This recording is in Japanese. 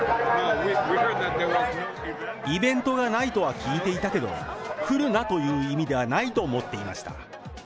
イベントがないとは聞いていたけど、来るなという意味ではないと思っていました。